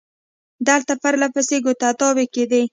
دلته پر له پسې کودتاوې کېدې.